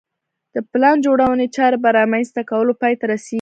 د پلان جوړونې چارې په رامنځته کولو پای ته رسېږي